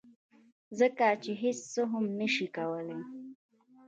ځکه چې هیڅ څه هم نشي کولی